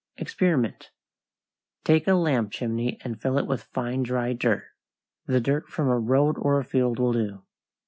=EXPERIMENT= Take a lamp chimney and fill it with fine, dry dirt. The dirt from a road or a field will do.